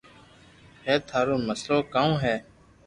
ھي ٿارو مسلئ ڪاو ھي